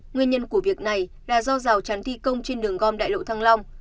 nguyên nhân của việc này là do rào chắn thi công trên đường gom đại lộ thăng long